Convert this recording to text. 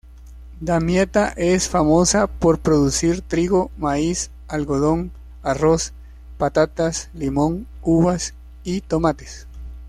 Damieta es famosa por producir trigo, maíz, algodón, arroz, patatas, limón, uvas y tomates.